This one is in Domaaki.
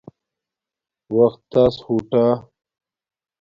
وقت تس ہوٹا